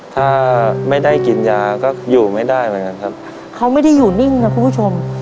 ถ้าไม่ได้กินยาก็อยู่ไม่ได้เหมือนกันครับเขาไม่ได้อยู่นิ่งนะคุณผู้ชม